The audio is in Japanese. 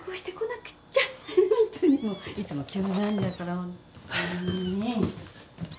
ホントにもういつも急なんだから本当に。